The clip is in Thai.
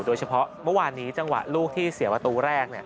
โดยเฉพาะเมื่อวานนี้จังหวะลูกที่เสียประตูแรก